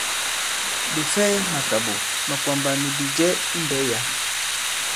Ɓè fɛ màkàɓò, màkwàmbà nì bìjɛ i mbɛ̌ yǎ.